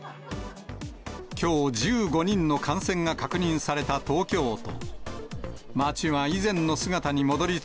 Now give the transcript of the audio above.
きょう１５人の感染が確認された東京都。